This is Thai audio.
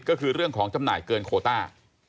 ก็คือเรื่องของจำหน่ายเกินโคต้า